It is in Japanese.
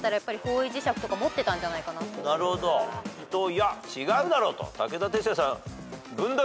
いや違うだろうと武田鉄矢さん。